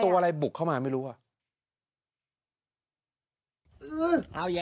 ตัวอะไรบุกเข้ามาไม่รู้อ่ะ